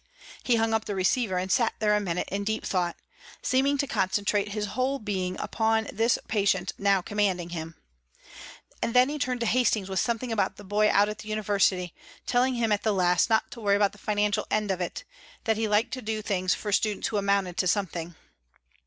He hung up the receiver and sat there a minute in deep thought, seeming to concentrate his whole being upon this patient now commanding him. And then he turned to Hastings with something about the boy out at the university, telling him at the last not to worry about the financial end of it, that he liked to do things for students who amounted to something.